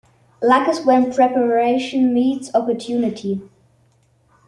Luck is when preparation meets opportunity.